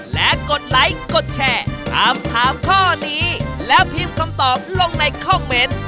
และกดไลค์กดแชร์ถามถามข้อนี้แล้วพิมพ์คำตอบลงในคอมเมนต์